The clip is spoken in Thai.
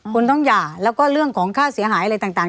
คุณต้องหย่าแล้วก็เรื่องของค่าเสียหายอะไรต่าง